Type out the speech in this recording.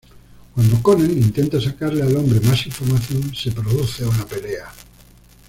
Cuando Conan intenta sacarle al hombre más información, se produce una pelea.